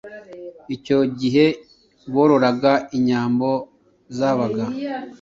Icyo gihe bororaga inyambo zabaga